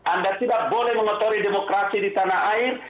anda tidak boleh mengotori demokrasi di tanah air